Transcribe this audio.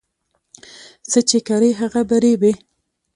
څه چي کرې، هغه به رېبې.